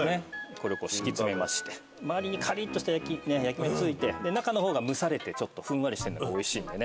これを敷き詰めまして周りにカリッとした焼き目ついて中の方が蒸されてちょっとふんわりしてんのがおいしいんでね。